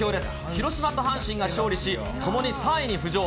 広島と阪神が勝利し、ともに３位に浮上。